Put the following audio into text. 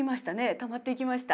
たまっていきました。